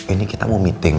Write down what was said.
ini kita mau meeting